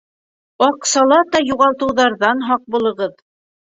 Аҡсалата юғалтыуҙарҙан һаҡ булығыҙ.